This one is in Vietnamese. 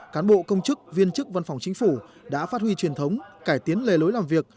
cán bộ công chức viên chức văn phòng chính phủ đã phát huy truyền thống cải tiến lề lối làm việc